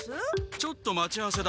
ちょっと待ち合わせだ。